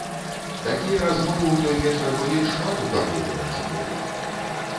Такія размовы ў той вечар былі шмат у каго ў менчукоў.